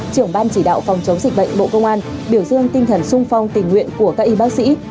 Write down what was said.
trưởng ban chỉ đạo phòng chống dịch bệnh bộ công an biểu dương tinh thần sung phong tình nguyện của các y bác sĩ